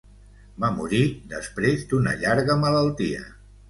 Va morir després d'una llarga malaltia.